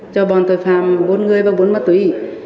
cho bọn tội phạm bốn người và bốn mắt túy